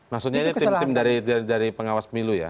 maksudnya ini tim tim dari pengawas pemilu ya